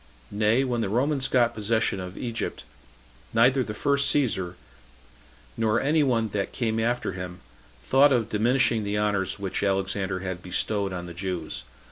Nay, when the Romans got possession of Egypt, neither the first Caesar, nor any one that came after him, thought of diminishing the honors which Alexander had bestowed on the Jews.